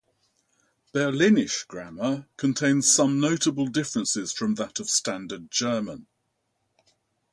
Berlinisch grammar contains some notable differences from that of standard German.